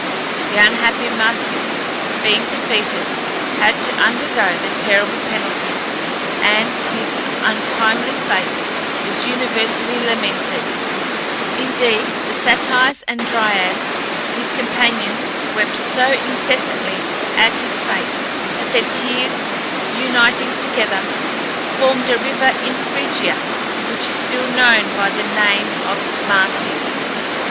The unhappy Marsyas being defeated, had to undergo the terrible penalty, and his untimely fate was universally lamented; indeed the Satyrs and Dryads, his companions, wept so incessantly at his fate, that their tears, uniting together, formed a river in Phrygia which is still known by the name of Marsyas.